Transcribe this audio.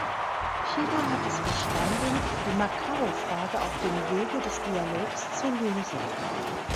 China hat es verstanden, die Macao-Frage auf dem Wege des Dialogs zu lösen.